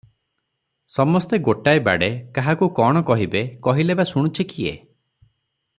ସମସ୍ତେ ଗୋଟାଏ ବାଡ଼େ, କାହାକୁ କଣ କହିବେ, କହିଲେ ବା ଶୁଣୁଛି କିଏ?